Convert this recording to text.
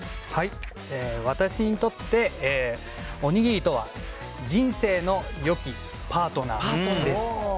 私にとって、おにぎりとは人生のよきパートナーです。